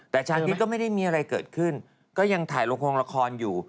แต่เช้านี้ก็ไม่ได้มีอะไรเกิดขึ้นก็ยังถ่ายละครละครอยู่